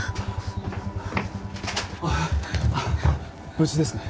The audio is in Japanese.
無事ですね？